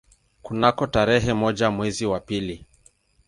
Kunako tarehe moja mwezi wa pili